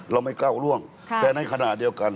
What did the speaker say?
เราไม่ก้าวร่วงแต่ในขณะเดียวกัน